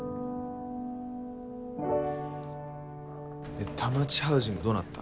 で田町ハウジングどうなった？